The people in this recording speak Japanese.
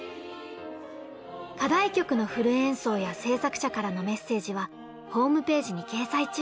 課題曲のフル演奏や制作者からのメッセージはホームページに掲載中！